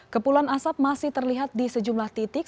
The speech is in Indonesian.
kepulan asap masih terlihat di sejumlah titik